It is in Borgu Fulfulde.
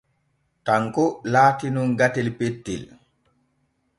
Tanko laati nun gatel pettel.